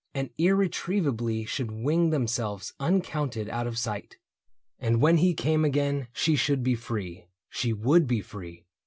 And irretrievably should wing themselves Uncounted out of sight. And when he came Again she should be free — she would be free.